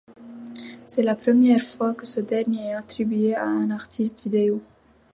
C’est la première fois que ce dernier est attribué à un artiste vidéo.